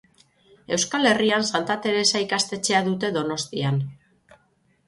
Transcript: Euskal Herrian Santa Teresa ikastetxea dute Donostian.